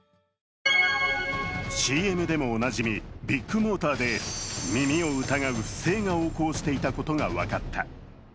ＣＭでもおなじみ、ビッグモーターで耳を疑う不正が横行していたことが分かった。